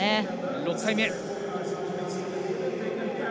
６回目。